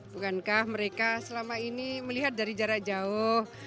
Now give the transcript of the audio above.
bukankah mereka selama ini melihat dari jarak jauh